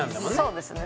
そうですね。